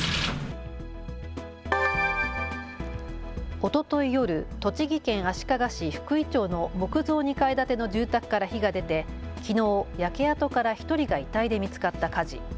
おととい夜、栃木県足利市福居町の木造２階建ての住宅から火が出て、きのう焼け跡から１人が遺体で見つかった火事。